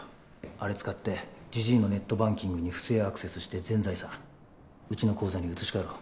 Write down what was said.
あれ使ってじじいのネットバンキングに不正アクセスして全財産うちの口座に移し替えろ。